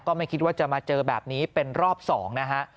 ไม่คิดว่าจะมาเจอแบบนี้เป็นรอบ๒นะฮะ